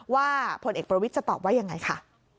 ว่าผลเอกประวิทย์จะตอบว่ายังไงค่ะ